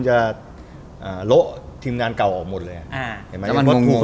ไม่จริงหมดเขาซื้อตัวเยอะ